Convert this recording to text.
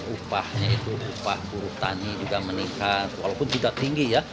upahnya itu upah buruh tani juga meningkat walaupun tidak tinggi ya